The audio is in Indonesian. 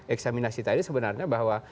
eksaminasi tadi sebenarnya bahwa